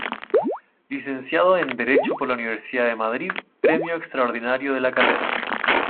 Licenciado en Derecho por la Universidad de Madrid premio extraordinario de la carrera.